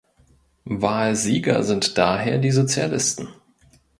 Wahlsieger sind daher die Sozialisten.